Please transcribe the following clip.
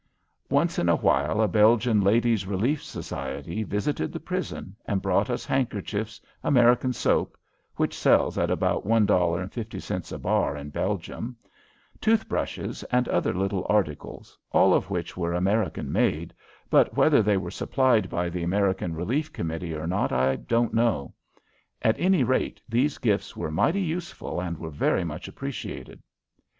Once in a while a Belgian Ladies' Relief Society visited the prison and brought us handkerchiefs, American soap which sells at about one dollar and fifty cents a bar in Belgium tooth brushes, and other little articles, all of which were American made, but whether they were supplied by the American Relief Committee or not I don't know. At any rate, these gifts were mighty useful and were very much appreciated.